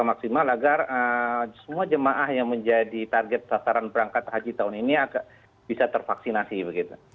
maksimal agar semua jemaah yang menjadi target sasaran berangkat haji tahun ini bisa tervaksinasi begitu